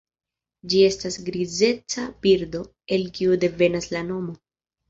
Ĝi estas grizeca birdo, el kio devenas la nomo.